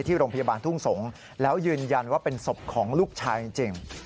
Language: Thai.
ที่โรงพยาบาลทุ่งสงศ์แล้วยืนยันว่าเป็นศพของลูกชายจริง